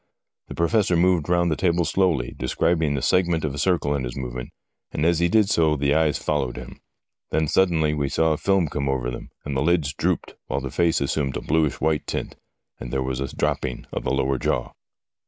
The Professor moved round the table slowly, describing the segment of a circle in his movement, and as he did so the eyes followed him. Then suddenly we saw a film come over them, and the lids drooped, while the face assumed a bluish white tint, and there was a dropping of the lower jaw.